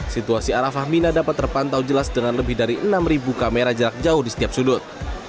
situasi arafah mina dapat terpantau jelas dengan lebih dari enam kamera jarak jauh di setiap sudut